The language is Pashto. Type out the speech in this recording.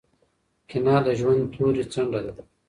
کینه د ژوند توري څنډه ده.